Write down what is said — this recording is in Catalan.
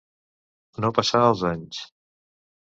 No passar els anys.